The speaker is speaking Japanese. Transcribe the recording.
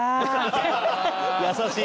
優しい！